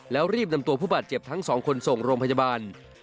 แล้วรีบนำตัวผู้บาดเจ็บทั้งสองคนส่งโรงพยาบาล